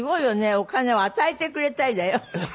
「お金を与えてくれたり」だよ。